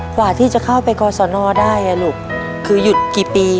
กว่าที่จะเข้าไปกศนได้อ่ะลูกคือหยุดกี่ปี